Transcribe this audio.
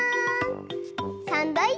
サンドイッチ！